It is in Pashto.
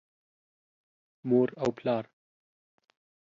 مور او پلار